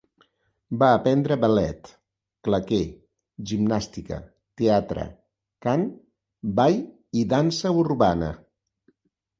Va aprendre ballet, claqué, gimnàstica, teatre, cant, ball i dansa urbana.